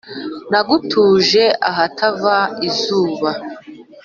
Nagutuje ahatava izuba,